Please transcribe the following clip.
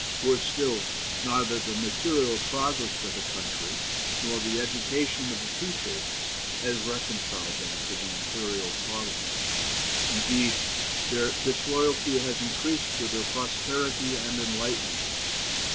Worse still, neither the material progress of the country, nor the education of the people, has reconciled them to the Imperial Parliament. Indeed, their disloyalty has increased with their prosperity and enlightenment.